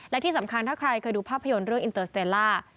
และที่สำคัญถ้าใครเคยดูภาพยนตร์เรื่องอินเตอร์สเตรล่า